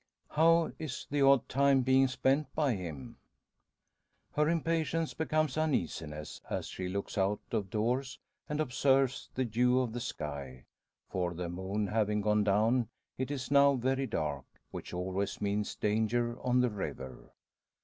How is the odd time being spent by him? Her impatience becomes uneasiness as she looks out of doors, and observes the hue of the sky. For the moon having gone down it is now very dark, which always means danger on the river.